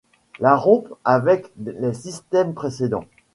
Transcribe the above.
La rompt avec les systèmes précédents.